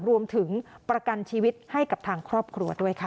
รวมถึงประกันชีวิตให้กับทางครอบครัวด้วยค่ะ